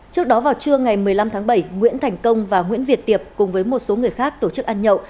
trước đó vào trưa ngày một mươi năm tháng bảy nguyễn thành công và nguyễn việt tiệp cùng với một số người khác tổ chức ăn nhậu